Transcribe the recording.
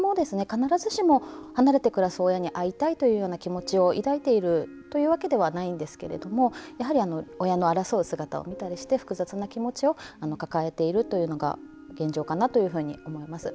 必ずしも離れて暮らす親に会いたいというような気持ちを抱いているというわけではないんですけれどもやはり親の争う姿を見たりして複雑な気持ちを抱えているというのが現状かなというふうに思います。